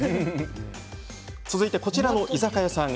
続いて、こちらの居酒屋さん。